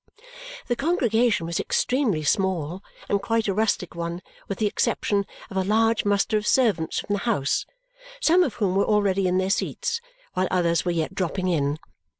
The congregation was extremely small and quite a rustic one with the exception of a large muster of servants from the house, some of whom were already in their seats, while others were yet dropping in.